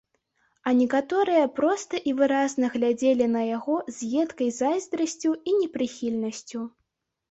А некаторыя проста і выразна глядзелі на яго з едкай зайздрасцю і непрыхільнасцю.